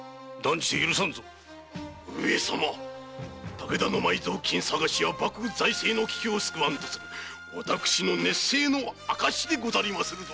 武田の埋蔵金探しは幕府財政の危機を救わんとする私の熱政の証でござりまするぞ！